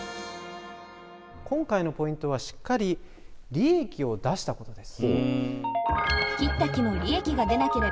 今回のポイントはしっかり利益を出したことです。